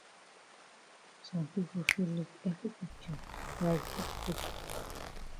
Some pipo fit look ele picture write big book.